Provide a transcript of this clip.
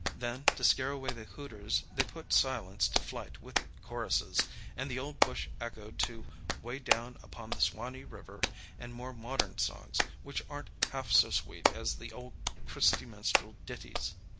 Then to scare away the hooters they put silence to flight with choruses, and the old bush echoed to "Way Down Upon the Swanee River" and more modern songs, which aren't half so sweet as the old Christy Minstrel ditties.